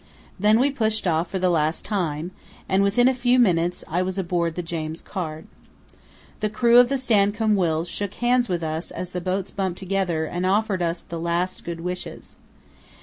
Then we pushed off for the last time, and within a few minutes I was aboard the James Caird. The crew of the Stancomb Wills shook hands with us as the boats bumped together and offered us the last good wishes.